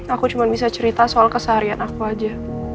aku cuma bisa cerita soal keseharian aku aja